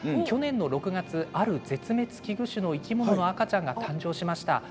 去年の６月ある絶滅危惧種の生き物の赤ちゃんが誕生しました。